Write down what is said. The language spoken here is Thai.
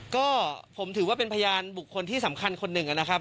ก็ผมถือว่าเป็นพยานบุคคลที่สำคัญคนหนึ่งนะครับ